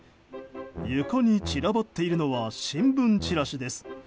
床に散らばっているのは新聞チラシです。